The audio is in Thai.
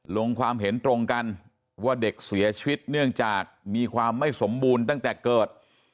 ลงความเห็นตรงกันว่าเด็กเสียชีวิตเนื่องจากมีความไม่สมบูรณ์ตั้งแต่เกิด